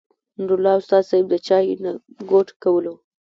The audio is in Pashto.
نور الله استاذ صېب د چاے نه ګوټ کولو